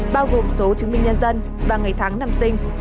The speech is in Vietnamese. bao gồm số chứng minh nhân dân và ngày tháng năm sinh